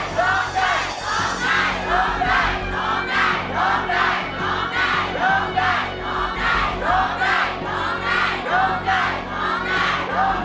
โทษให้โทษให้โทษให้โทษให้โทษให้